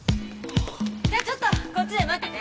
じゃあちょっとこっちで待ってて。